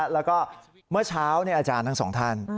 แล้วก็เมื่อเช้าอาจารย์ทั้งสองท่าน